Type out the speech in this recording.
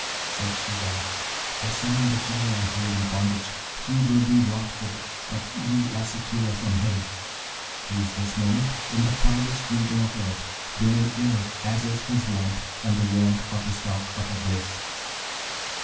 Said she then, 'I summon the Genie I hold in bondage. He will be wrathful; but ye are secure from him. He's this moment in the farthest region of earth, doing ill, as is his wont, and the wont of the stock of Eblis.'